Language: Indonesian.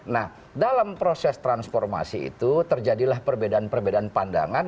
nah dalam proses transformasi itu terjadilah perbedaan perbedaan pandangan